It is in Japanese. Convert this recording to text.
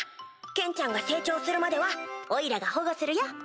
ケンちゃんが成長するまではおいらが保護するよ。